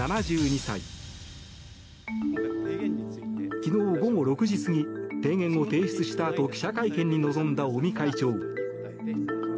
昨日午後６時過ぎ提言を提出したあと記者会見に臨んだ尾身会長。